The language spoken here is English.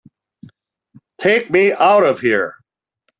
Take me out of here!